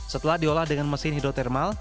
setelah diolah dengan mesin hidrotermal